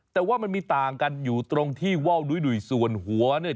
แต่ว่ามันมีต่างกันอยู่ตรงที่ว่าวดุ้ยส่วนหัวเนี่ย